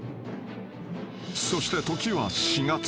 ［そして時は４月］